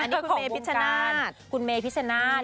อันนี้คุณเมย์พิชชนาธคุณเมย์พิชชนาธ